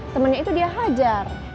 temennya itu dia hajar